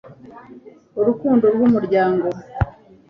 urukundo rw'umuryango